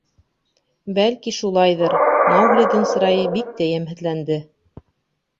— Бәлки, шулайҙыр, — Мауглиҙың сырайы бик тә йәмһеҙләнде.